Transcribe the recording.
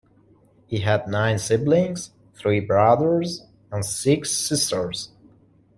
He had nine siblings- three brothers and six sisters.